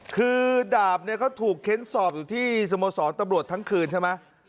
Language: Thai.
คือดาบเนี่ยเขาถูกเค้นสอบอยู่ที่สโมสรตำรวจทั้งคืนใช่ไหม